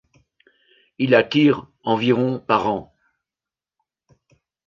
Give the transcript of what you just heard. Il attire environ par an.